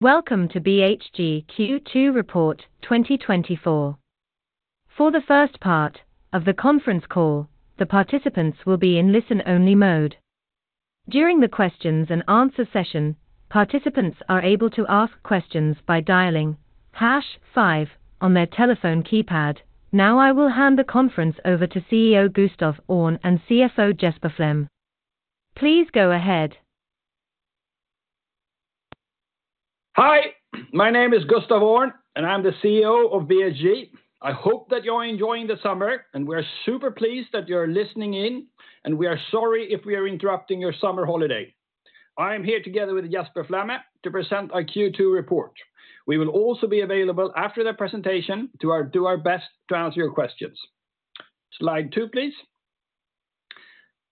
Welcome to BHG Q2 Report 2024. For the first part of the conference call, the participants will be in listen-only mode. During the questions and answer session, participants are able to ask questions by dialing hash five on their telephone keypad. Now I will hand the conference over to CEO Gustaf Öhrn and CFO Jesper Flemme. Please go ahead. Hi, my name is Gustaf Öhrn, and I'm the CEO of BHG. I hope that you're enjoying the summer, and we're super pleased that you're listening in, and we are sorry if we are interrupting your summer holiday. I am here together with Jesper Flemme to present our Q2 report. We will also be available after the presentation to do our best to answer your questions. Slide two, please.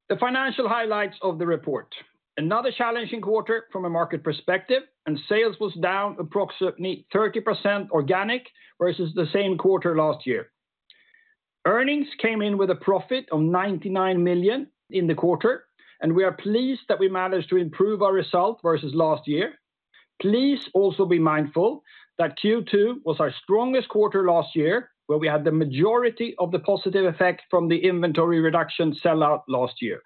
The financial highlights of the report. Another challenging quarter from a market perspective, and sales was down approximately 30% organic versus the same quarter last year. Earnings came in with a profit of 99 million in the quarter, and we are pleased that we managed to improve our result versus last year. Please also be mindful that Q2 was our strongest quarter last year, where we had the majority of the positive effect from the inventory reduction sellout last year.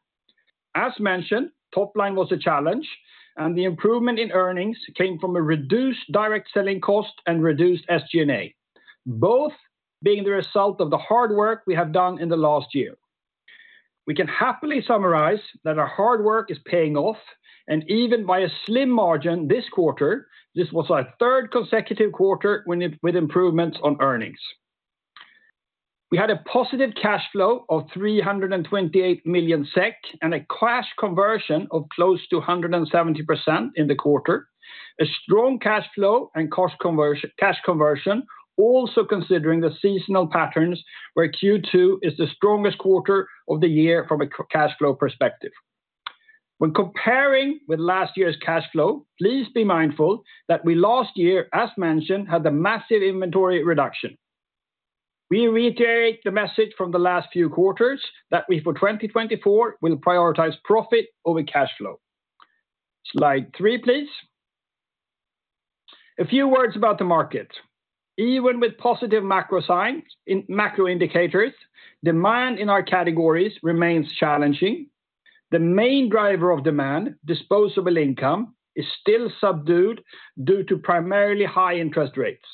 As mentioned, top line was a challenge, and the improvement in earnings came from a reduced direct selling cost and reduced SG&A, both being the result of the hard work we have done in the last year. We can happily summarize that our hard work is paying off, and even by a slim margin this quarter, this was our third consecutive quarter with improvements on earnings. We had a positive cash flow of 328 million SEK, and a cash conversion of close to 170% in the quarter. A strong cash flow and cash conversion, also considering the seasonal patterns, where Q2 is the strongest quarter of the year from a cash flow perspective. When comparing with last year's cash flow, please be mindful that we last year, as mentioned, had a massive inventory reduction. We reiterate the message from the last few quarters that we, for 2024, will prioritize profit over cash flow. Slide three, please. A few words about the market. Even with positive macro signs in macro indicators, demand in our categories remains challenging. The main driver of demand, disposable income, is still subdued due to primarily high interest rates.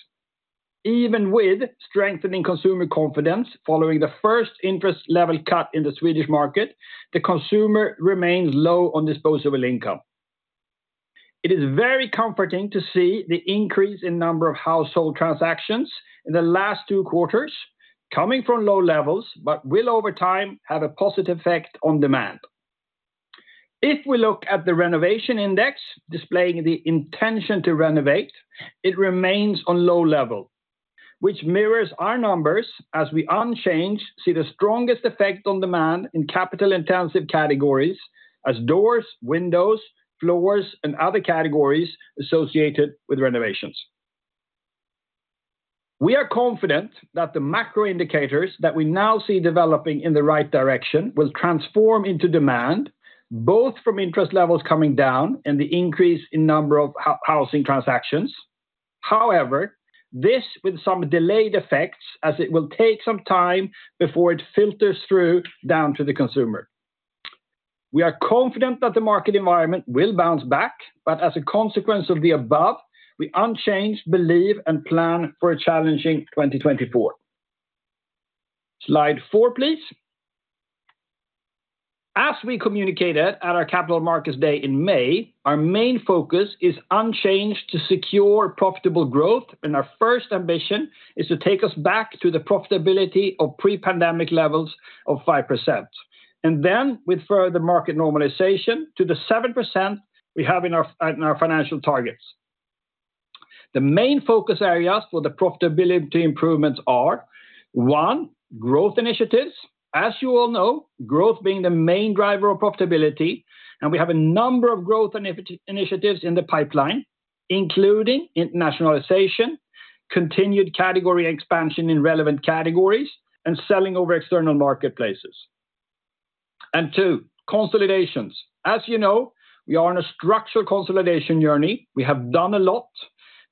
Even with strengthening consumer confidence following the first interest rate cut in the Swedish market, the consumer remains low on disposable income. It is very comforting to see the increase in number of household transactions in the last two quarters, coming from low levels, but will, over time, have a positive effect on demand. If we look at the renovation index displaying the intention to renovate, it remains on low level, which mirrors our numbers as we, unchanged, see the strongest effect on demand in capital-intensive categories as doors, windows, floors, and other categories associated with renovations. We are confident that the macro indicators that we now see developing in the right direction will transform into demand, both from interest levels coming down and the increase in number of housing transactions. However, this with some delayed effects, as it will take some time before it filters through down to the consumer. We are confident that the market environment will bounce back, but as a consequence of the above, we unchanged, believe, and plan for a challenging 2024. Slide four, please. As we communicated at our Capital Markets Day in May, our main focus is unchanged to secure profitable growth, and our first ambition is to take us back to the profitability of pre-pandemic levels of 5%, and then with further market normalization to the 7% we have in our, in our financial targets. The main focus areas for the profitability improvements are, one, growth initiatives. As you all know, growth being the main driver of profitability, and we have a number of growth initiatives in the pipeline, including internationalization, continued category expansion in relevant categories, and selling over external marketplaces. And two, consolidations. As you know, we are on a structural consolidation journey. We have done a lot,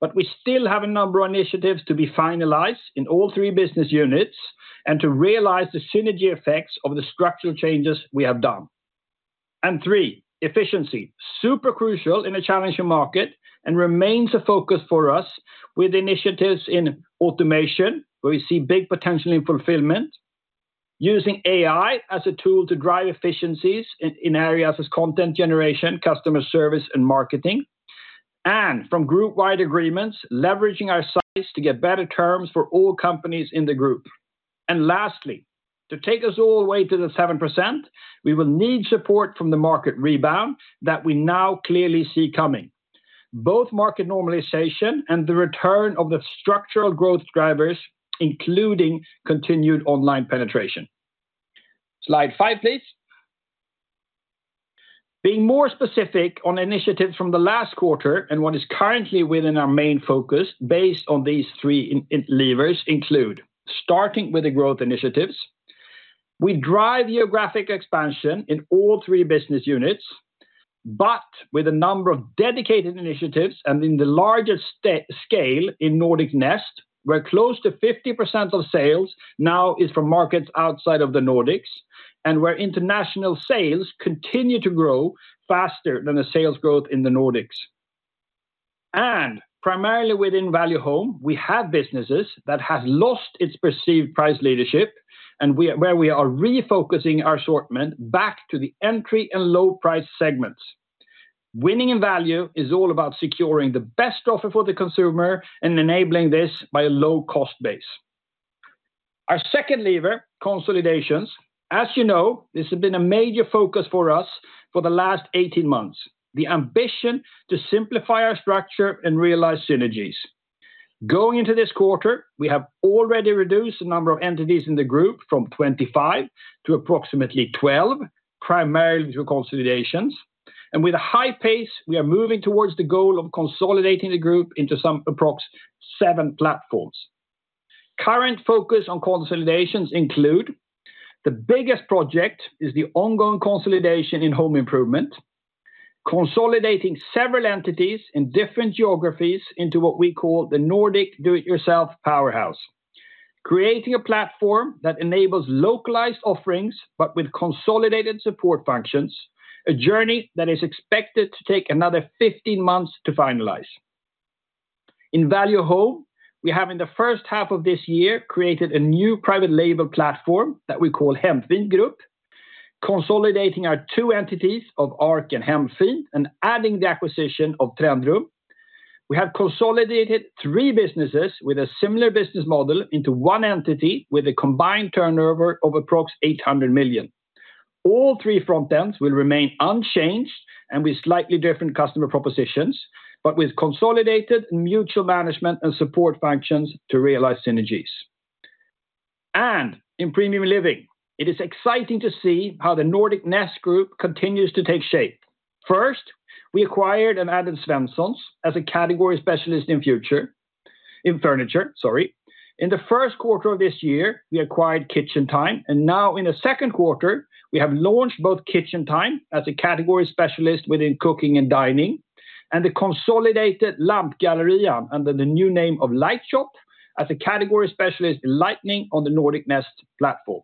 but we still have a number of initiatives to be finalized in all three business units and to realize the synergy effects of the structural changes we have done. And 3, efficiency. Super crucial in a challenging market and remains a focus for us with initiatives in automation, where we see big potential in fulfillment, using AI as a tool to drive efficiencies in areas as content generation, customer service, and marketing, and from group-wide agreements, leveraging our sites to get better terms for all companies in the group. And lastly, to take us all the way to the 7%, we will need support from the market rebound that we now clearly see coming. Both market normalization and the return of the structural growth drivers, including continued online penetration. Slide 5, please. Being more specific on initiatives from the last quarter and what is currently within our main focus based on these three levers include: starting with the growth initiatives. We drive geographic expansion in all three business units, but with a number of dedicated initiatives, and in the largest scale in Nordic Nest, where close to 50% of sales now is from markets outside of the Nordics, and where international sales continue to grow faster than the sales growth in the Nordics. Primarily within Value Home, we have businesses that have lost its perceived price leadership, and where we are refocusing our assortment back to the entry and low price segments. Winning in value is all about securing the best offer for the consumer and enabling this by a low cost base. Our second lever, consolidations. As you know, this has been a major focus for us for the last 18 months, the ambition to simplify our structure and realize synergies. Going into this quarter, we have already reduced the number of entities in the group from 25 to approximately 12, primarily through consolidations. With a high pace, we are moving towards the goal of consolidating the group into some approx 7 platforms. Current focus on consolidations include: the biggest project is the ongoing consolidation in home improvement, consolidating several entities in different geographies into what we call the Nordic Do It Yourself powerhouse, creating a platform that enables localized offerings, but with consolidated support functions, a journey that is expected to take another 15 months to finalize. In Value Home, we have, in the first half of this year, created a new private label platform that we call Hemfjäll Group, consolidating our two entities of Arc E-commerce and Hemfint, and adding the acquisition of Trendrum. We have consolidated three businesses with a similar business model into one entity with a combined turnover of approx 800 million. All three front ends will remain unchanged and with slightly different customer propositions, but with consolidated mutual management and support functions to realize synergies. In Premium Living, it is exciting to see how the Nordic Nest Group continues to take shape. First, we acquired and added Svenssons as a category specialist in future, in furniture, sorry. In the first quarter of this year, we acquired KitchenTime, and now in the second quarter, we have launched both KitchenTime as a category specialist within cooking and dining, and the consolidated LampGallerian under the new name of LightShop as a category specialist in lighting on the Nordic Nest platform.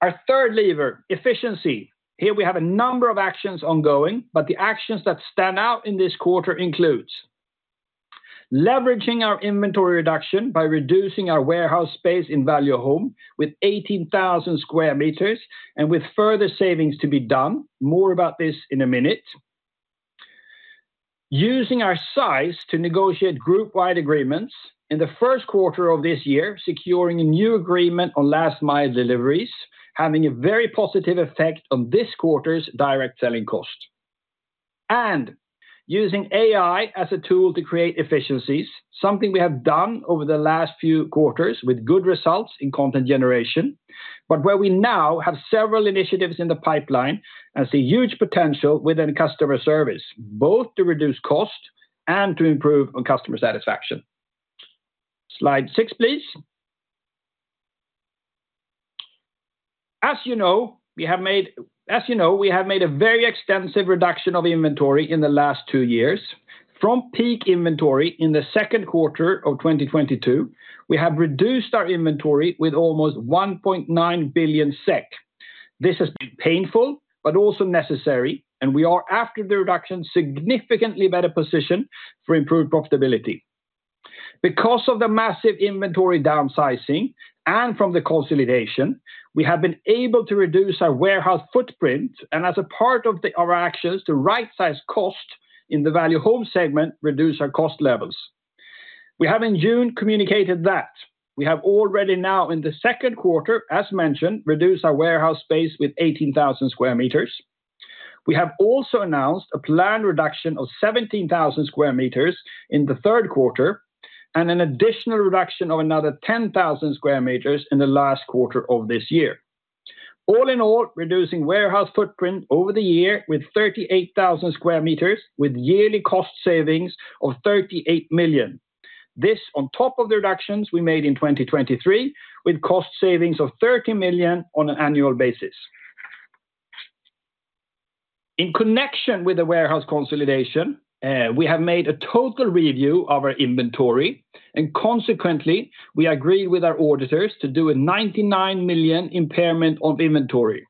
Our third lever, efficiency. Here we have a number of actions ongoing, but the actions that stand out in this quarter includes leveraging our inventory reduction by reducing our warehouse space in Value Home with 18,000 square meters and with further savings to be done. More about this in a minute. Using our size to negotiate group-wide agreements. In the first quarter of this year, securing a new agreement on last mile deliveries, having a very positive effect on this quarter's direct selling cost. Using AI as a tool to create efficiencies, something we have done over the last few quarters with good results in content generation, but where we now have several initiatives in the pipeline and see huge potential within customer service, both to reduce cost and to improve on customer satisfaction. Slide 6, please. As you know, we have made a very extensive reduction of inventory in the last two years. From peak inventory in the second quarter of 2022, we have reduced our inventory with almost 1.9 billion SEK. This has been painful, but also necessary, and we are, after the reduction, significantly better positioned for improved profitability. Because of the massive inventory downsizing and from the consolidation, we have been able to reduce our warehouse footprint, and as a part of the, our actions to right-size cost in the Value Home segment, reduce our cost levels. We have in June communicated that. We have already now in the second quarter, as mentioned, reduced our warehouse space with 18,000 square meters. We have also announced a planned reduction of 17,000 square meters in the third quarter and an additional reduction of another 10,000 square meters in the last quarter of this year. All in all, reducing warehouse footprint over the year with 38,000 square meters, with yearly cost savings of 38 million. This on top of the reductions we made in 2023, with cost savings of 30 million on an annual basis. In connection with the warehouse consolidation, we have made a total review of our inventory, and consequently, we agreed with our auditors to do a 99 million impairment of inventory.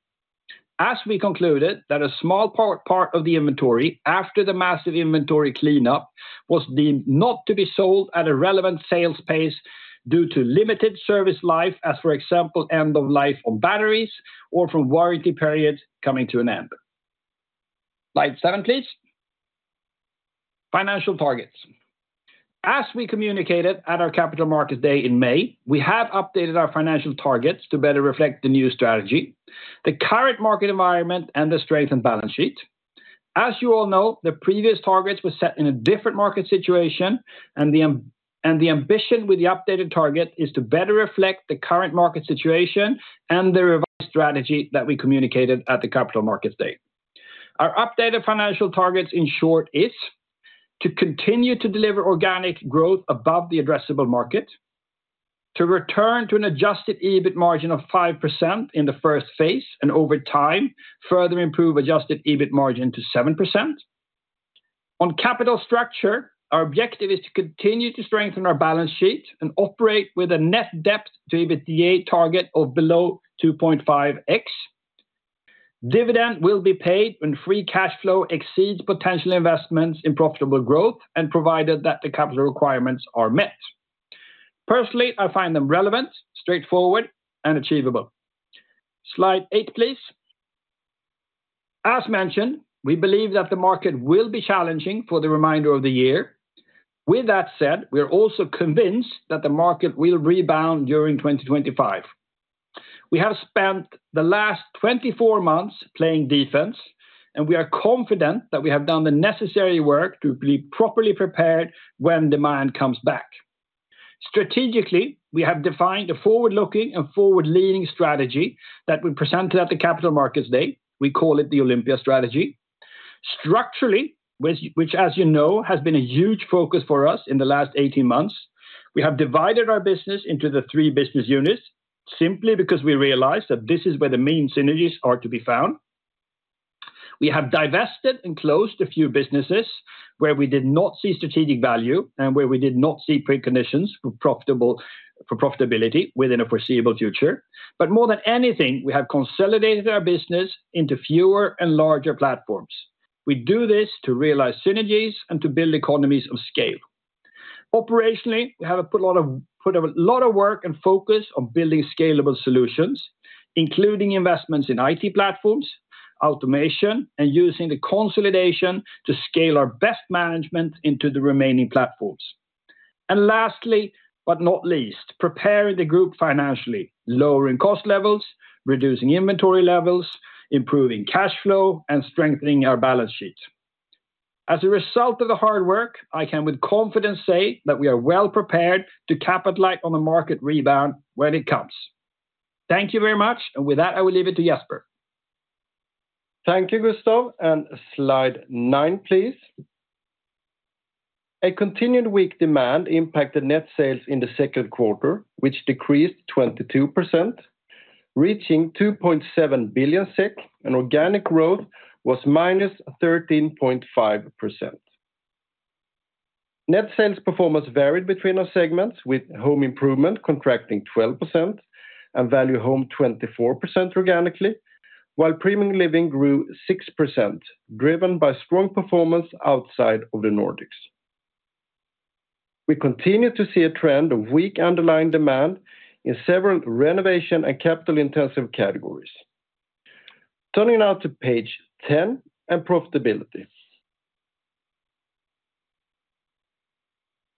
As we concluded that a small part, part of the inventory, after the massive inventory cleanup, was deemed not to be sold at a relevant sales pace due to limited service life, as, for example, end of life on batteries or from warranty periods coming to an end. Slide 7, please. Financial targets. As we communicated at our Capital Markets Day in May, we have updated our financial targets to better reflect the new strategy, the current market environment, and the strength and balance sheet. As you all know, the previous targets were set in a different market situation, and the ambition with the updated target is to better reflect the current market situation and the revised strategy that we communicated at the Capital Markets Day. Our updated financial targets, in short, is to continue to deliver organic growth above the addressable market, to return to an adjusted EBIT margin of 5% in the first phase, and over time, further improve adjusted EBIT margin to 7%. On capital structure, our objective is to continue to strengthen our balance sheet and operate with a net debt to EBITDA target of below 2.5x. Dividend will be paid when free cash flow exceeds potential investments in profitable growth and provided that the capital requirements are met. Personally, I find them relevant, straightforward, and achievable. Slide eight, please. As mentioned, we believe that the market will be challenging for the remainder of the year. With that said, we are also convinced that the market will rebound during 2025. We have spent the last 24 months playing defense, and we are confident that we have done the necessary work to be properly prepared when demand comes back. Strategically, we have defined a forward-looking and forward-leaning strategy that we presented at the Capital Markets Day. We call it the Olympia strategy. Structurally, which, as you know, has been a huge focus for us in the last 18 months, we have divided our business into the 3 business units, simply because we realized that this is where the main synergies are to be found. We have divested and closed a few businesses where we did not see strategic value and where we did not see preconditions for profitability within a foreseeable future. But more than anything, we have consolidated our business into fewer and larger platforms. We do this to realize synergies and to build economies of scale. Operationally, we have put a lot of work and focus on building scalable solutions, including investments in IT platforms, automation, and using the consolidation to scale our best management into the remaining platforms. And lastly, but not least, prepare the group financially, lowering cost levels, reducing inventory levels, improving cash flow, and strengthening our balance sheet. As a result of the hard work, I can with confidence say that we are well prepared to capitalize on the market rebound when it comes. Thank you very much, and with that, I will leave it to Jesper. Thank you, Gustaf, and slide 9, please. A continued weak demand impacted net sales in the second quarter, which decreased 22%, reaching 2.7 billion SEK, and organic growth was -13.5%. Net sales performance varied between our segments, with Home Improvement contracting 12% and Value Home 24% organically, while Premium Living grew 6%, driven by strong performance outside of the Nordics. We continue to see a trend of weak underlying demand in several renovation and capital-intensive categories. Turning now to page 10 and profitability.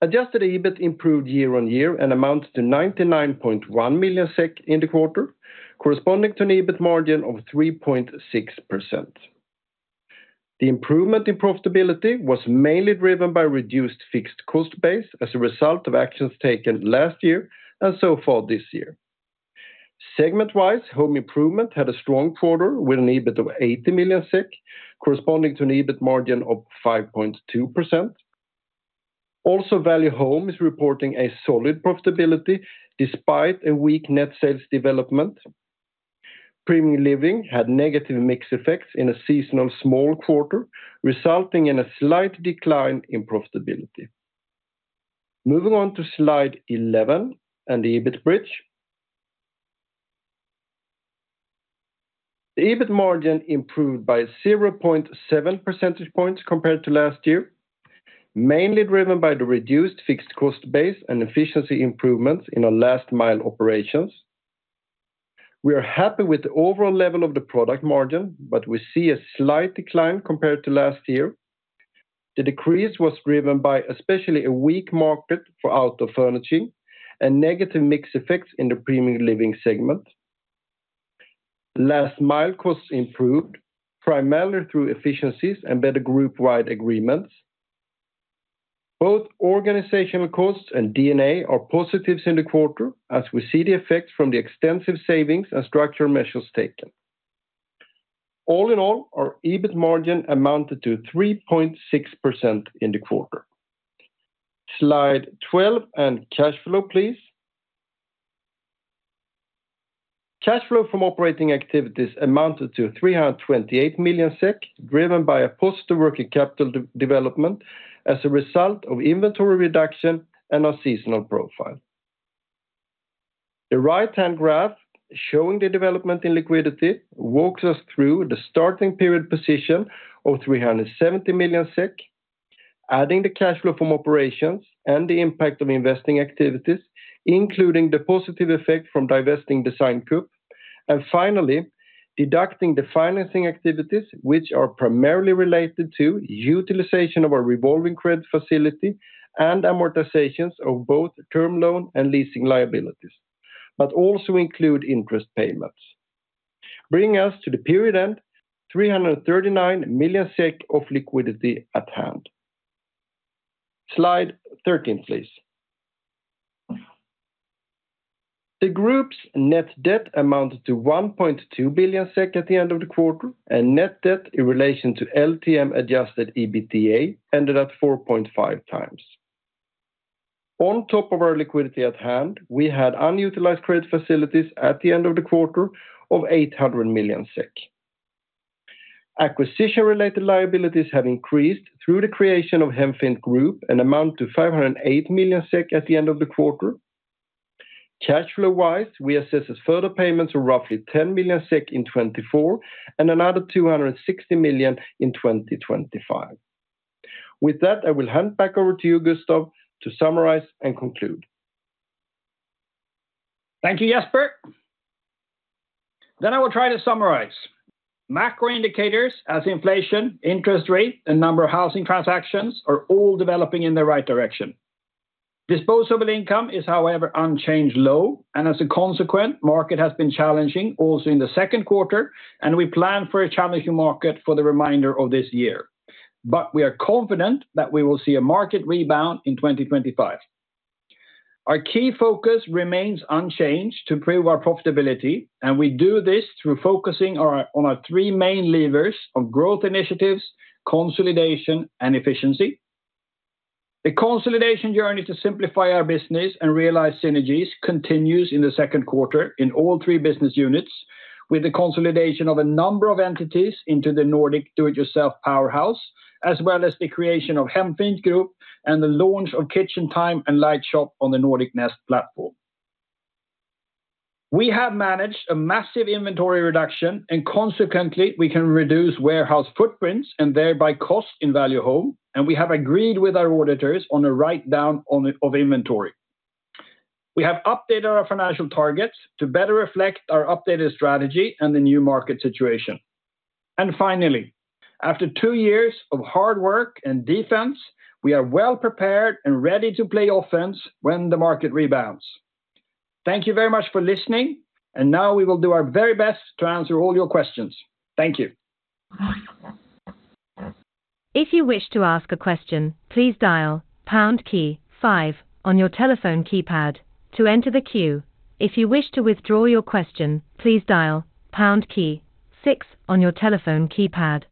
Adjusted EBIT improved year-on-year and amounts to 99.1 million SEK in the quarter, corresponding to an EBIT margin of 3.6%. The improvement in profitability was mainly driven by reduced fixed cost base as a result of actions taken last year and so far this year. Segment-wise, Home Improvement had a strong quarter with an EBIT of 80 million SEK, corresponding to an EBIT margin of 5.2%. Also, Value Home is reporting a solid profitability despite a weak net sales development. Premium Living had negative mix effects in a seasonal small quarter, resulting in a slight decline in profitability. Moving on to Slide 11 and the EBIT bridge. The EBIT margin improved by 0.7 percentage points compared to last year, mainly driven by the reduced fixed cost base and efficiency improvements in our last-mile operations. We are happy with the overall level of the product margin, but we see a slight decline compared to last year. The decrease was driven by especially a weak market for outdoor furniture and negative mix effects in the Premium Living segment. Last-mile costs improved, primarily through efficiencies and better group-wide agreements. Both organizational costs and D&A are positives in the quarter, as we see the effects from the extensive savings and structural measures taken. All in all, our EBIT margin amounted to 3.6% in the quarter. Slide 12 and cash flow, please. Cash flow from operating activities amounted to 328 million SEK, driven by a positive working capital development as a result of inventory reduction and unseasonal profile. The right-hand graph, showing the development in liquidity, walks us through the starting period position of 370 million SEK, adding the cash flow from operations and the impact of investing activities, including the positive effect from divesting Design Group, and finally, deducting the financing activities, which are primarily related to utilization of our revolving credit facility and amortizations of both term loan and leasing liabilities, but also include interest payments, bringing us to the period end, 339 million SEK of liquidity at hand. Slide 13, please.... The group's net debt amounted to 1.2 billion SEK at the end of the quarter, and net debt in relation to LTM adjusted EBITDA ended at 4.5 times. On top of our liquidity at hand, we had unutilized credit facilities at the end of the quarter of 800 million SEK. Acquisition-related liabilities have increased through the creation of Hemfjäll Group and amount to 508 million SEK at the end of the quarter. Cash flow-wise, we assessed further payments of roughly 10 million SEK in 2024, and another 260 million in 2025. With that, I will hand back over to you, Gustaf Öhrn, to summarize and conclude. Thank you, Jesper. Then I will try to summarize. Macro indicators as inflation, interest rate, and number of housing transactions are all developing in the right direction. Disposable income is, however, unchanged low, and as a consequence, market has been challenging also in the second quarter, and we plan for a challenging market for the remainder of this year. But we are confident that we will see a market rebound in 2025. Our key focus remains unchanged to improve our profitability, and we do this through focusing on our three main levers of growth initiatives, consolidation, and efficiency. The consolidation journey to simplify our business and realize synergies continues in the second quarter in all three business units, with the consolidation of a number of entities into the Nordic Do-It-Yourself Powerhouse, as well as the creation of Hemfjäll Group and the launch of KitchenTime and LightShop on the Nordic Nest platform. We have managed a massive inventory reduction, and consequently, we can reduce warehouse footprints and thereby costs in Value Home, and we have agreed with our auditors on a write-down of inventory. We have updated our financial targets to better reflect our updated strategy and the new market situation. Finally, after two years of hard work and defense, we are well prepared and ready to play offense when the market rebounds. Thank you very much for listening, and now we will do our very best to answer all your questions. Thank you. If you wish to ask a question, please dial pound key five on your telephone keypad to enter the queue. If you wish to withdraw your question, please dial pound key six on your telephone keypad.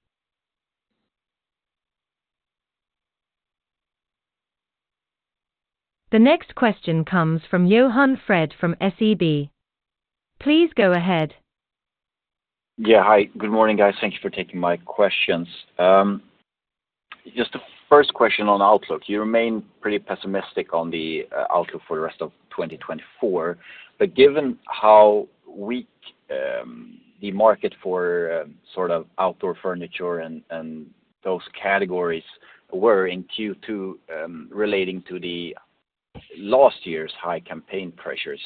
The next question comes from Johan Fred from SEB. Please go ahead. Yeah. Hi, good morning, guys. Thank you for taking my questions. Just the first question on outlook. You remain pretty pessimistic on the outlook for the rest of 2024, but given how weak the market for sort of outdoor furniture and those categories were in Q2, relating to last year's high campaign pressures,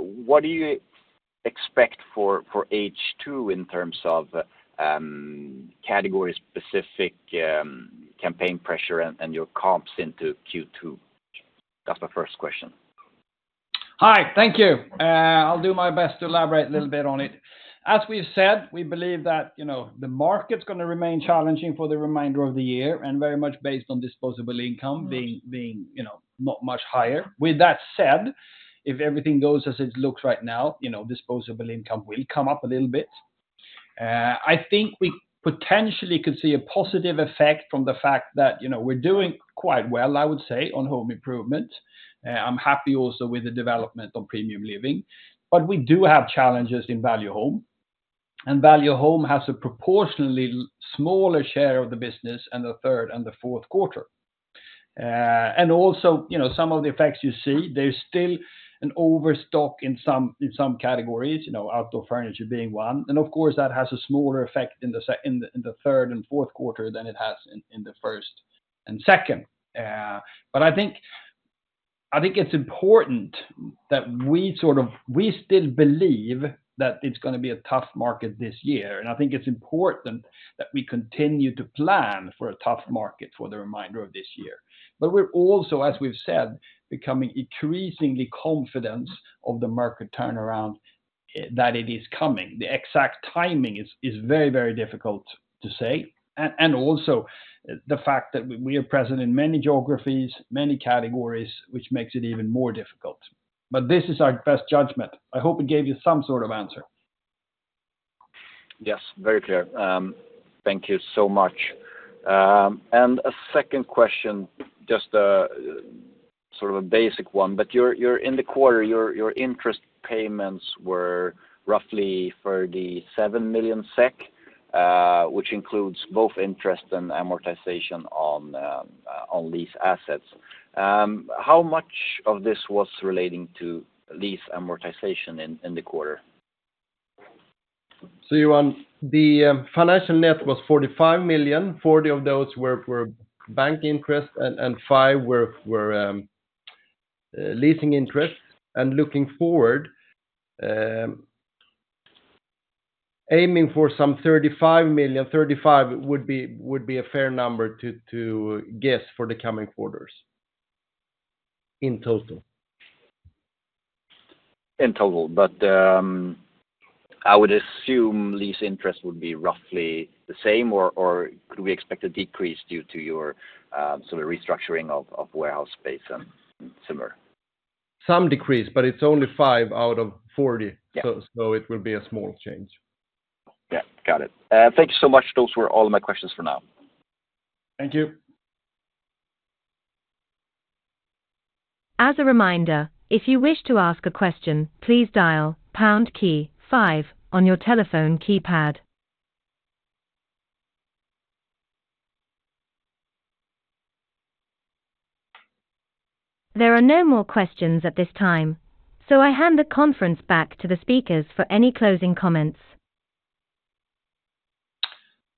what do you expect for H2 in terms of category-specific campaign pressure and your comps into Q2? That's my first question. Hi. Thank you. I'll do my best to elaborate a little bit on it. As we've said, we believe that, you know, the market's gonna remain challenging for the remainder of the year, and very much based on disposable income being, you know, not much higher. With that said, if everything goes as it looks right now, you know, disposable income will come up a little bit. I think we potentially could see a positive effect from the fact that, you know, we're doing quite well, I would say, on Home Improvement. I'm happy also with the development of Premium Living, but we do have challenges in Value Home, and Value Home has a proportionally smaller share of the business in the third and the fourth quarter. Also, you know, some of the effects you see, there's still an overstock in some, in some categories, you know, outdoor furniture being one. Of course, that has a smaller effect in the third and fourth quarter than it has in the first and second. But I think it's important that we sort of... We still believe that it's gonna be a tough market this year, and I think it's important that we continue to plan for a tough market for the remainder of this year. But we're also, as we've said, becoming increasingly confident of the market turnaround that it is coming. The exact timing is very difficult to say, and also the fact that we are present in many geographies, many categories, which makes it even more difficult. But this is our best judgment. I hope it gave you some sort of answer. Yes, very clear. Thank you so much. A second question, just sort of a basic one, but your, your... In the quarter, your interest payments were roughly 37 million SEK, which includes both interest and amortization on these assets. How much of this was relating to lease amortization in the quarter? So you want the financial net was 45 million. 40 million of those were bank interest and 5 million were leasing interest. And looking forward, aiming for some 35 million, 35 million would be a fair number to guess for the coming quarters in total. In total, I would assume lease interest would be roughly the same or could we expect a decrease due to your sort of restructuring of warehouse space and similar? Some decrease, but it's only 5 out of 40. Yeah. So, it will be a small change. Yeah, got it. Thank you so much. Those were all my questions for now. Thank you. As a reminder, if you wish to ask a question, please dial pound key five on your telephone keypad. There are no more questions at this time, so I hand the conference back to the speakers for any closing comments.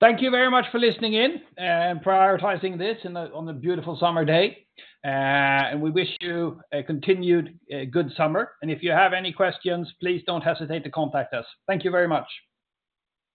Thank you very much for listening in and prioritizing this on the beautiful summer day, and we wish you a continued good summer, and if you have any questions, please don't hesitate to contact us. Thank you very much!